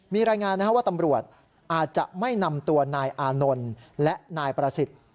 มีรายงานว่าตำรวจอาจจะไม่นำตัวนายอานนท์และนายประสิทธิ์